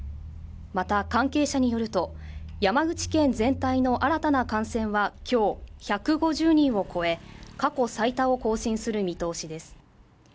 また関係者によると山口県全体の新たな感染は今日１５０人を超え過去最多を更新する見通しです